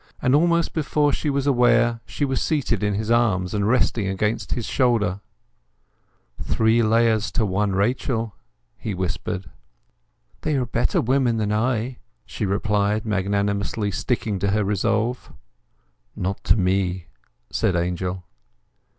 And almost before she was aware, she was seated in his arms and resting against his shoulder. "Three Leahs to get one Rachel," he whispered. "They are better women than I," she replied, magnanimously sticking to her resolve. "Not to me," said Angel.